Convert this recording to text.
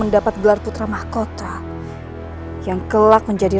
dan aku juga ingin mencari putra yang lebih baik